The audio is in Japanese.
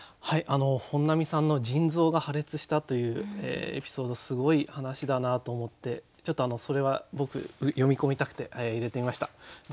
はいあの本並さんの腎臓が破裂したというエピソードすごい話だなと思ってちょっとそれは僕詠み込みたくて入れてみました。